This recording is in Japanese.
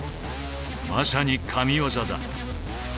まさに神技だ。